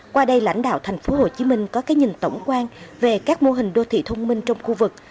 qua đây lãnh đạo thành phố hồ chí minh có cái nhìn tổng quan về các mô hình đô thị thông minh trong khu vực